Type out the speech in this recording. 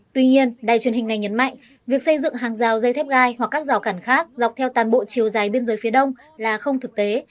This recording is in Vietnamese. tuy nhiên đài truyền hình này nhấn mạnh việc xây dựng hàng rào dây thép gai hoặc các rào cản khác dọc theo toàn bộ chiều dài biên giới phía đông là không thực tế